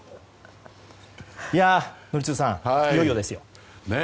宜嗣さん、いよいよですよ。